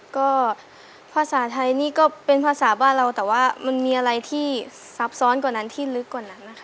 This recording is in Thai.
ก็ภาษาไทยนี่ก็เป็นภาษาบ้านเราแต่ว่ามันมีอะไรที่ซับซ้อนกว่านั้นที่ลึกกว่านั้นนะคะ